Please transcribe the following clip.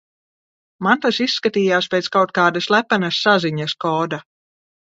Man tas izskatījās pēc kaut kāda slepenas saziņas koda.